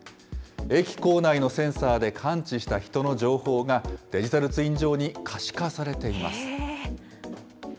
駅構内のセンサーで感知した人の情報が、デジタルツイン上に可視化されています。